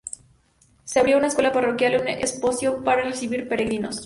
Se abrió una escuela parroquial y un hospicio para recibir peregrinos.